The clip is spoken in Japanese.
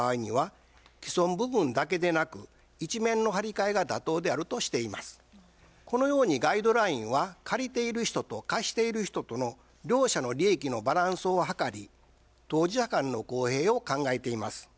ガイドラインはクロスを例にこのようにガイドラインは借りている人と貸している人との両者の利益のバランスを図り当事者間の公平を考えています。